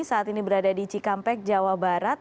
saat ini berada di cikampek jawa barat